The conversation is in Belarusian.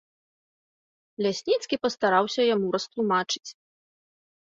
Лясніцкі пастараўся яму растлумачыць.